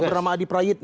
bernama adi prayit